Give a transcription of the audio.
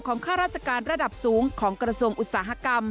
ข้าราชการระดับสูงของกระทรวงอุตสาหกรรม